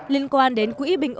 linh quan đến quỹ bình luận